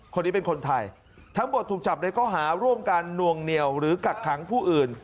คนนี้เป็นคนไทยทั้งหมดถูกจับในข้อหาร่วมการหน่วงเหนียวหรือกักขังผู้อื่น